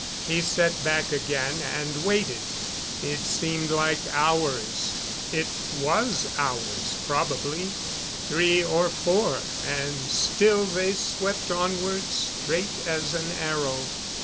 He sat back again and waited. It seemed like hours it was hours probably, three or four and still they swept onward straight as an arrow.